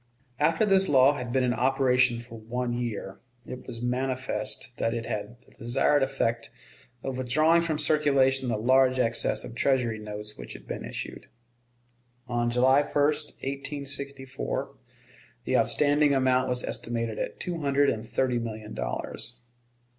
After this law had been in operation for one year, it was manifest that it had the desired effect of withdrawing from circulation the large excess of Treasury notes which had been issued. On July 1, 1864, the outstanding amount was estimated at two hundred and thirty million dollars.